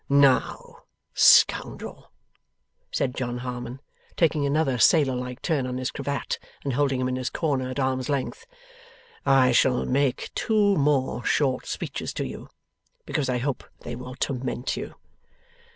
'Now, scoundrel,' said John Harmon, taking another sailor like turn on his cravat and holding him in his corner at arms' length, 'I shall make two more short speeches to you, because I hope they will torment you.